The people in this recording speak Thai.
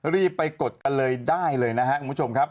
รีบไปกดกันเลยได้เลยนะครับคุณผู้ชมครับ